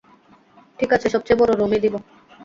ঠিক আছে, সবচেয়ে বড় রুমই দিবো।